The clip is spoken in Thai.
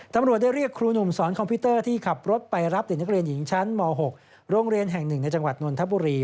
ตำรวจได้เรียกครูหนุ่มสอนคอมพิวเตอร์ที่ขับรถไปรับเด็กนักเรียนหญิงชั้นม๖โรงเรียนแห่ง๑ในจังหวัดนนทบุรี